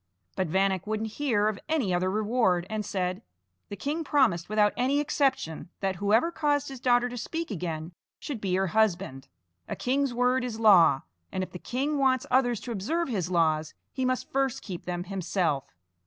But Vanek wouldn't hear of any other reward, and said: "The king promised without any exception, that whoever caused his daughter to speak again should be her husband. A king's word is law; and if the king wants others to observe his laws, he must first keep them himself.